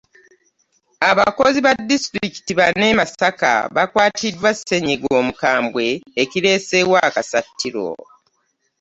Abakozi ba disitulikiti bana e Masaka bakwatiddwa ssenyiga Omukambwe ekireeseewo akasattiiro